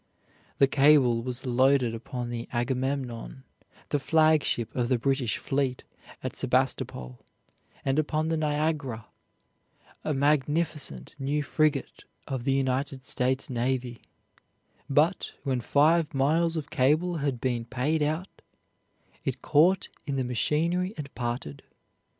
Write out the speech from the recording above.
The cable was loaded upon the Agamemnon, the flag ship of the British fleet at Sebastopol, and upon the Niagara, a magnificent new frigate of the United States Navy; but, when five miles of cable had been paid out, it caught in the machinery and parted.